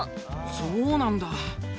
そうなんだ。